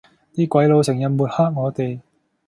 啲鬼佬成日抹黑我哋